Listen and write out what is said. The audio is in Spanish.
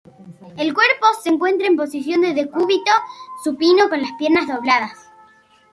El cuerpo se encuentra en posición de decúbito supino con las piernas dobladas.